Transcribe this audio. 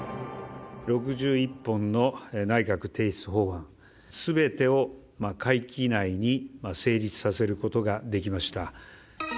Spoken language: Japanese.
６１本の内閣提出法案すべてを会期内に成立させることができました。